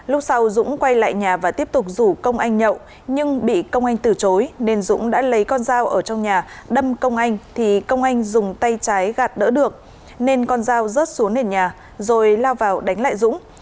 lúc sau dũng quay lại nhà và tiếp tục rủ công anh nhậu nhưng bị công anh từ chối nên dũng đã lấy con dao ở trong nhà đâm công anh thì công anh dùng tay trái gạt đỡ được nên con dao rớt xuống nền nhà rồi lao vào đánh lại dũng